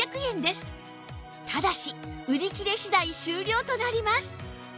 ただし売り切れ次第終了となります